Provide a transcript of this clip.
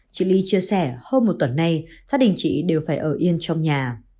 chị ly chia sẻ hơn một tuần nay gia đình chị đều phải ở yên trong nhà